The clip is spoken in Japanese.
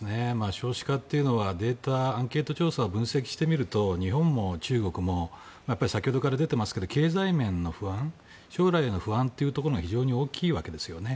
少子化というのはデータ、アンケート調査を分析してみると日本も中国も先ほどから出ていますけど経済面の不安将来への不安というのが非常に大きいわけですよね。